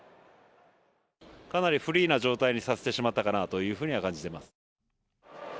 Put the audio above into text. かなりフリーな状態にさせてしまったかなというふうには感じています。